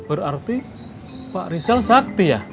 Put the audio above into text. berarti pak rizal sakti ya